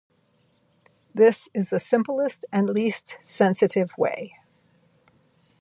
This is the simplest and least sensitive way.